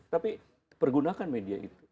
tapi pergunakan media itu